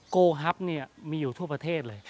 โกฮับมีอยู่ทั่วประเทศเลย